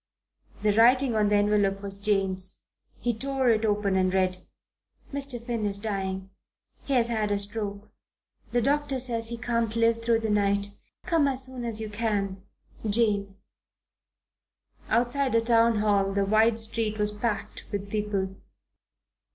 The writing on the envelope was Jane's. He tore it open and read. Mr. Finn is dying. He has had a stroke. The doctor says he can't live through the night. Come as soon as you can. JANE. Outside the Town Hall the wide street was packed with people.